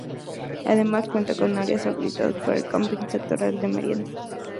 Además, cuenta con áreas habilitadas para el camping y sectores de merienda.